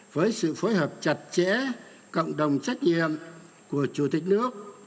với sự phối hợp chặt chẽ cộng đồng trách nhiệm của chủ tịch nước